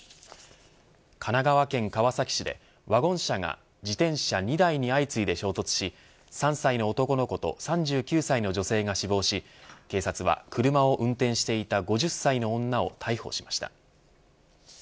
神奈川県川崎市でワゴン車が自転車２台に相次いで衝突し３歳の男の子と３９歳の女性が死亡し警察は車を運転していた５０歳の女を逮捕しました。